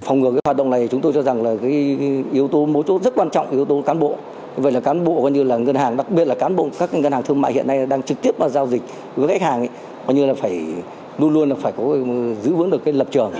phòng ngược hoạt động này chúng tôi cho rằng là yếu tố mối chốt rất quan trọng yếu tố cán bộ vậy là cán bộ đặc biệt là các ngân hàng thương mại hiện nay đang trực tiếp giao dịch với khách hàng luôn luôn phải giữ vững được lập trường